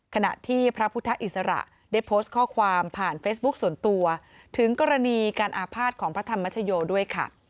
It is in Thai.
ขณะที่พระพุทธอิสระได้โพสต์ข้อความผ่านเฟซบุ๊คส่วนตัวถึงกรณีการอาภาษณ์ของพระธรรมชโยด้วยค่ะ